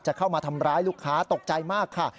เข้ามาทำร้ายลูกค้าตกใจมากค่ะ